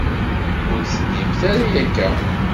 Ur d-tennimt ara akka.